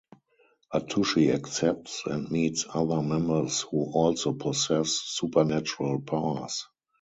Atsushi accepts and meets other members who also possess supernatural powers.